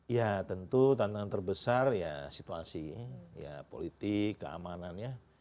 ya tentu tantangan terbesar ya situasi ya politik keamanannya